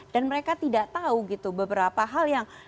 dan mereka tidak tahu gitu beberapa hal yang